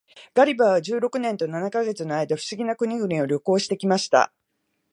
ガリバーは十六年と七ヵ月の間、不思議な国々を旅行して来ました。